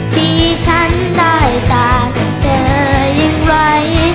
ที่ฉันได้จากเธอยิ่งไว้